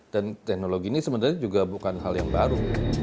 dan teknologi ini sebenarnya juga bukan hal yang baru